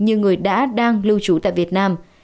như người đã đang lưu trú tại việt nam